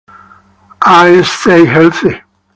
I stay healthy.